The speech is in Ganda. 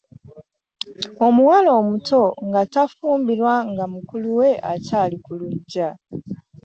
Omuwala omuto nga tafumbirwa nga mukulu we akyali ku luggya.